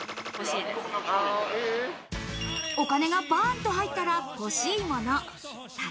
お金、バンと入ったら欲しいです。